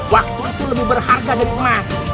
waktu itu lebih berharga dari emas